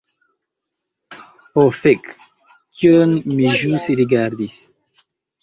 Ho fek, kion mi ĵus rigardis?